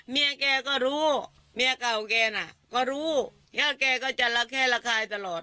เมียแกร็ก็รู้เมียเก่าแกเนี่ยก็รู้เช่าแกร็กจะรักแค่รกลายตลอด